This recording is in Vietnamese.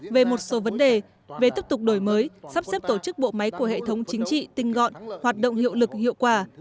về một số vấn đề về tiếp tục đổi mới sắp xếp tổ chức bộ máy của hệ thống chính trị tinh gọn hoạt động hiệu lực hiệu quả